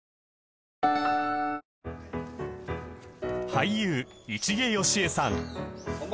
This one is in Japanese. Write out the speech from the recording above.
俳優市毛良枝さん